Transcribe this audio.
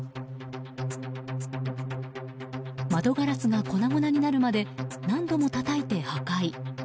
窓ガラスが粉々になるまで何度もたたいて破壊。